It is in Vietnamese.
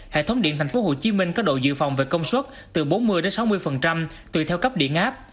hệ thống điện tp hcm có độ dự phòng về công suất từ bốn mươi sáu mươi tùy theo cấp điện áp